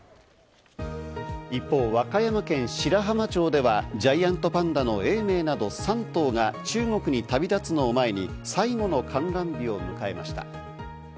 一方、和歌山県白浜町ではジャイアントパンダの永明など、３頭が中国に旅立つのを前に最後の観覧日を迎えました。